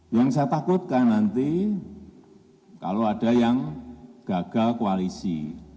yang saya takutkan nanti kalau ada yang gagal koalisi